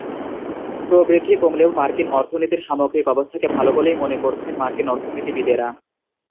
প্রবৃদ্ধি কমলেও মার্কিন অর্থনীতির সামগ্রিক অবস্থাকে ভালো বলেই মনে করছেন মার্কিন অর্থনীতিবিদেরা।